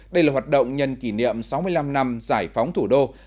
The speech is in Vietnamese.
đây là hoạt động nhân kỷ niệm sáu mươi năm năm giải phóng thủ đô